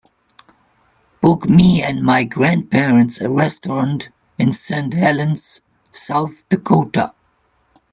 book me and my grandparents a restaurant in Saint Helens South Dakota